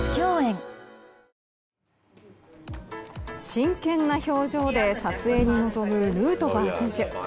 真剣な表情で撮影に臨むヌートバー選手。